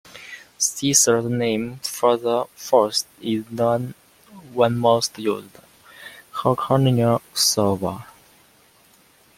Caesar's name for the forest is the one most used: Hercynia Silva.